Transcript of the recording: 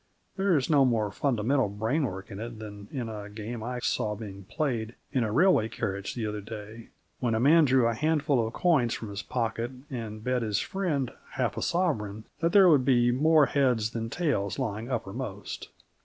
There is no more fundamental brainwork in it than in a game I saw being played in a railway carriage the other day, when a man drew a handful of coins from his pocket and bet his friend half a sovereign that there would be more heads than tails lying uppermost.